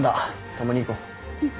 共に行こう。